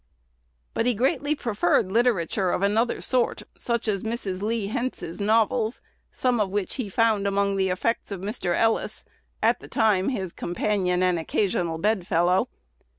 But he greatly preferred literature of another sort, such as Mrs. Lee Hentz's novels; some of which he found among the effects of Mr. Ellis, at the time his companion and occasional bedfellow.